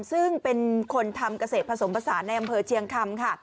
ซึ่งเป็นคนทำเกษตรผสมผสานในอำเภอเชียงคำค่ะ